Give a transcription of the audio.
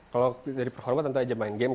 kalau dari performa tentu aja main game